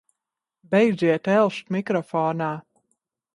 Beidziet elst mikrofonā!